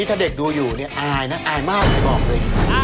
ถ้าเด็กดูอยู่อายนะอายมากบอกเลย